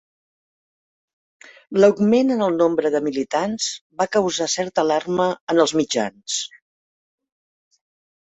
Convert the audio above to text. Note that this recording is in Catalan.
L'augment en el nombre de militants va causar certa alarma en els mitjans.